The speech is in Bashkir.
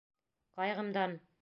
Ҡайғымдан.